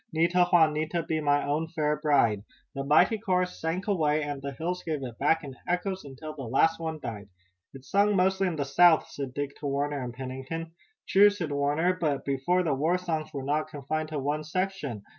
Nita! Juanita! Be my own fair bride." The mighty chorus sank away and the hills gave it back in echoes until the last one died. "It's sung mostly in the South," said Dick to Warner and Pennington. "True," said Warner, "but before the war songs were not confined to one section.